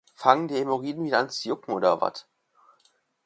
Fangen die Hämorrhiden wieder an zu jucken, oder was?